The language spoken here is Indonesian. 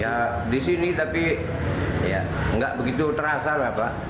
ya di sini tapi gak begitu terasa bapak